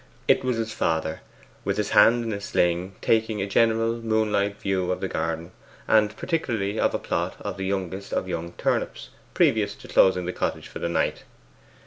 It was his father, with his hand in a sling, taking a general moonlight view of the garden, and particularly of a plot of the youngest of young turnips, previous to closing the cottage for the night.